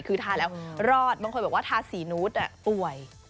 คือทาแล้วรอดบางคนบอกว่าทาสีนูตป่วย